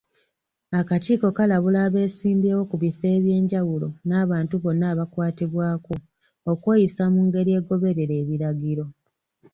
Akakiiko kalabula abeesimbyewo ku bifo eby'enjawulo n'abantu bonna abakwatibwako, okweyisa mungeri egoberera ebiragiro.